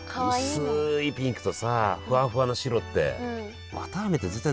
薄いピンクとさフワフワの白って。